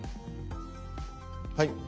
はい。